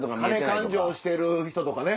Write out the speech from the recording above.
金勘定してる人とかね。